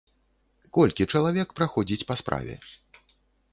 Колькі чалавек праходзіць па справе?